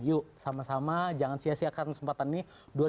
yuk sama sama jangan sia siakan kesempatan ini